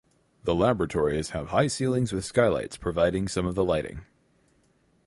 The laboratories have high ceilings with skylights providing some of the lighting.